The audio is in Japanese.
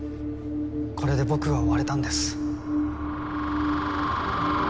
これで僕は終われたんです